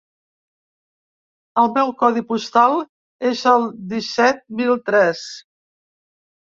El meu codi postal és el disset mil tres.